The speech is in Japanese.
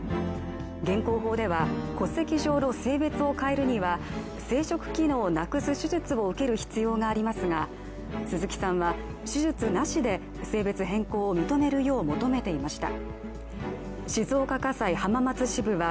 現行法では戸籍上の性別を変えるには生殖機能をなくす手術を受ける必要がありますが、鈴木さんは、手術なしで性別変更を認めるよう求めていました。